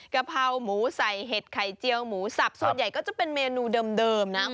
กะเพราหมูใส่เห็ดไข่เจียวหมูสับส่วนใหญ่ก็จะเป็นเมนูเดิมนะ